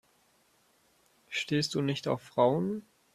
Stehst du nicht auf Frauen?